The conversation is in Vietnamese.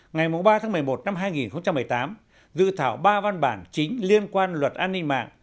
ngày ba một mươi một năm hai nghìn một mươi tám dự thảo ba văn bản chính liên quan luật an ninh mạng